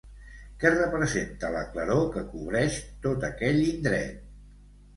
Què representa la claror que cobreix tot aquell indret?